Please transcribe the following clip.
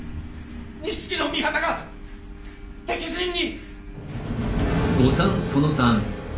錦の御旗が敵陣に！